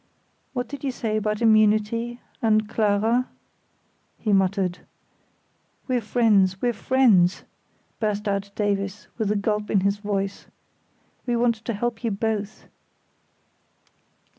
"What did you say about immunity, and Clara?" he muttered. "We're friends—we're friends!" burst out Davies, with a gulp in his voice. "We want to help you both."